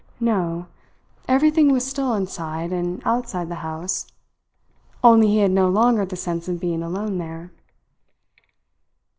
No! Everything was still inside and outside the house, only he had no longer the sense of being alone there.